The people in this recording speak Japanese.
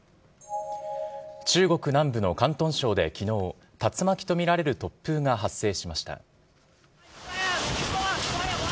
中国南部の広東省できのう、竜巻と見られる突風が発生しました。